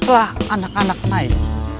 lah anak anak naik